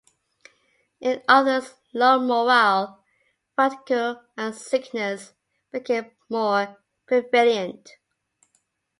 In others, low morale, fatigue, and sickness became more prevalent.